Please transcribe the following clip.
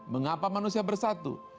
mengapa manusia bersatu